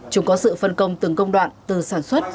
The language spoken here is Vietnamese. chúng có sự phân công từng công đoạn từ sản xuất